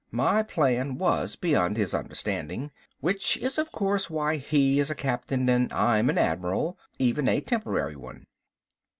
My plan was beyond his understanding. Which is, of course, why he is a captain and I'm an admiral, even a temporary one.